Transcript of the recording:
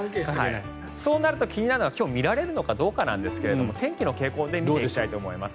そうなるときになるのは今日見られるのかということですが天気の傾向見ていきたいと思います。